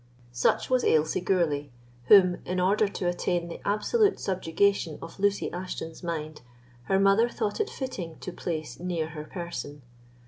Such was Aislie Gourlay, whom, in order to attain the absolute subjugation of Lucy Ashton's mind, her mother thought it fitting to place near her person.